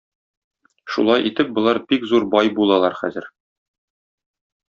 Шулай итеп болар бик зур бай булалар, хәзер.